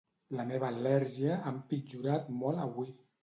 La meva al·lèrgia ha empitjorat molt avui.